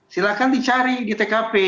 silahkan dicari di tkp